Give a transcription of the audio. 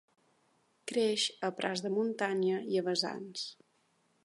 Creix a prats de muntanya i a vessants.